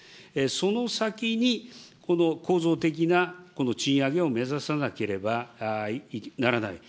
その先に、構造的な賃上げを目指さなければならない。